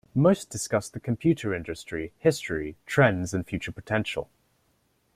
Most discussed the computer industry, history, trends and future potential.